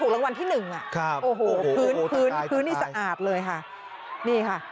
รางวัลที่๑อ่ะโอ้โฮพื้นนี่สะอาดเลยค่ะนี่ค่ะ